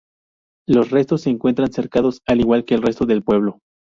Los restos se encuentran cercados, al igual que el resto del pueblo.